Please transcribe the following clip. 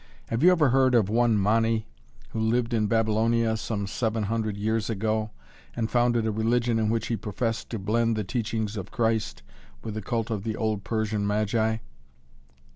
Have you ever heard of one Mani, who lived in Babylonia some seven hundred years ago and founded a religion in which he professed to blend the teachings of Christ with the cult of the old Persian Magi?"